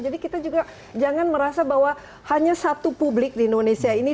jadi kita juga jangan merasa bahwa hanya satu publik di indonesia ini